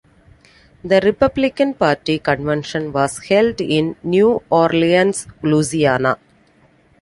The Republican Party convention was held in New Orleans, Louisiana.